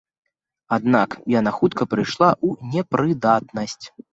Аднак яна хутка прыйшла ў непрыдатнасць.